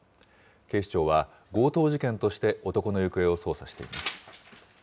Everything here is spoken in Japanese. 警視庁は強盗事件として、男の行方を捜査しています。